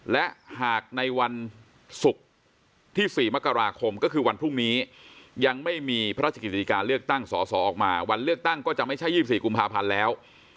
และหากในวันศุกร์ที่๔มกราคมก็คือวันพรุ่งนี้ยังไม่มีพระราชกิจการเลือกตั้งสอสอออกมาวันเลือกตั้งก็จะไม่ใช่๒๔กุมภาพันธ์แล้ว